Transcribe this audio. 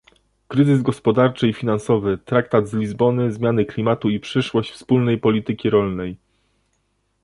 kryzys gospodarczy i finansowy, traktat z Lizbony, zmiany klimatu i przyszłość wspólnej polityki rolnej